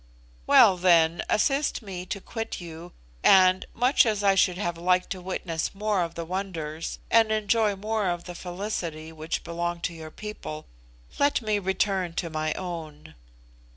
"Well, then, assist me to quit you, and, much as I should have like to witness more of the wonders, and enjoy more of the felicity, which belong to your people, let me return to my own."